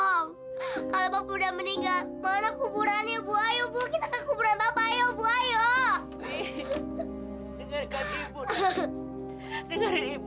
kalau bapak udah meninggal mana kuburan ibu